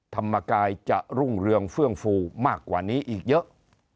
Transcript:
ธรรมกายจะรุ่งเรืองเฟื่องฟูมากกว่านี้อีกเยอะ